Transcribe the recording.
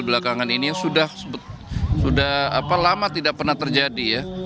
belakangan ini sudah lama tidak pernah terjadi ya